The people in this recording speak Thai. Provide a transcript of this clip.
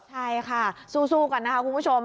ใช่ค่ะสู้กันนะคะคุณผู้ชม